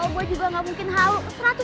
gue juga gak mungkin hau